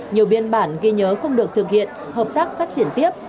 nhiều biên bản ghi nhớ không được thực hiện hợp tác phát triển tiếp